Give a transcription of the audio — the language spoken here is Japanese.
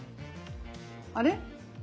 あれ？